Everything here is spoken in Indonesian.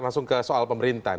langsung ke soal pemerintahan